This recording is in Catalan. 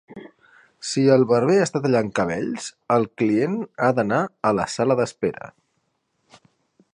Si el barber està tallant cabells, el client ha d'anar a la sala d'espera.